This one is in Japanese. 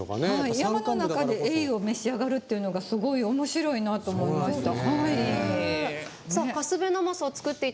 山の中でエイを召し上がるっていうのがすごいおもしろいなと思いました。